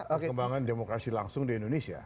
perkembangan demokrasi langsung di indonesia